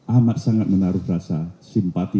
amat sangat menaruh rasa simpati